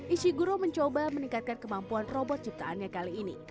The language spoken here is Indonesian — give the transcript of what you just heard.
ishiguro mencoba meningkatkan kemampuan robot ciptaannya kali ini